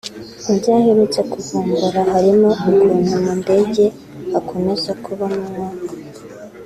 Mu byo aherutse kuvumvura harimo ukuntu mu ndege hakomeza kubamo umwuka